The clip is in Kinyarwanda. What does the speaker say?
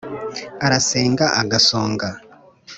arasenga agasonga